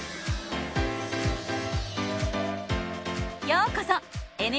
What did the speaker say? ようこそ！